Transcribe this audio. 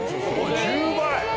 １０倍！